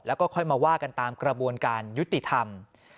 แล้วก็ค่อยมาว่ากันตามกระบวนการยุติธรรม